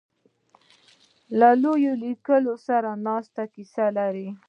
له لویو لیکوالو سره د ناستې کیسې لري.